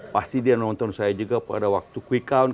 pasti dia nonton saya juga pada waktu quick count